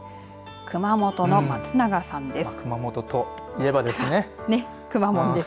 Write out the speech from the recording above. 熊本の松永さんです。